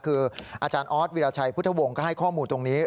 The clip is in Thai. คืออาจารย์ออสวิราชัยพุทธวงศ์ก็ให้ข้อมูลตรงนี้